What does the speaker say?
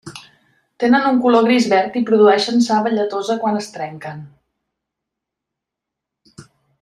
Tenen un color gris-verd i produeixen saba lletosa quan es trenquen.